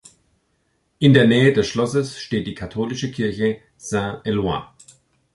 In der Nähe des Schlosses steht die katholische Kirche Saint-Eloi.